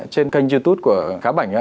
trên kênh youtube của khá bảnh